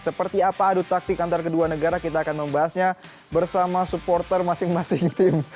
seperti apa adu taktik antar kedua negara kita akan membahasnya bersama supporter masing masing tim